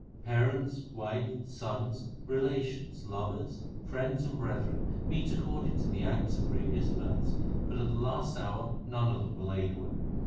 Parents, wife, sons, relations, lovers, friends, and brethren, Meet according to the acts of previous births, but at the last hour none of them will aid one.